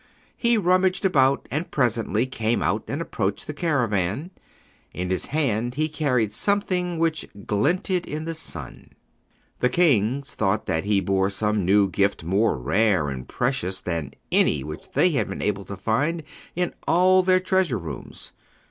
He rummaged about and presently came out and approached the caravan. In his hand he carried something which glinted in the sun. The kings thought that he bore some new gift more rare and precious than any which they had been able to find in all their treasure rooms.